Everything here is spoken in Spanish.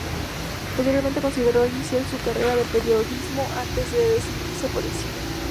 Posteriormente consideró iniciar su carrera en el periodismo antes de decidirse por el cine.